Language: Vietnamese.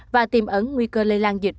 và tìm ấn nguy cơ lây lan dịch